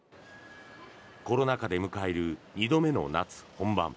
コロナ禍で迎える２度目の夏本番。